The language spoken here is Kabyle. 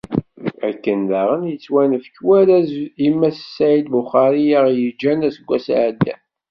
Akken daɣen i yettwanefk warraz i Mass Saεid Buxari i aɣ-yeǧǧan aseggas iɛeddan.